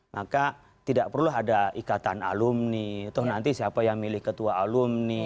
maka tidak perlu ada ikatan alumni toh nanti siapa yang milih ketua alumni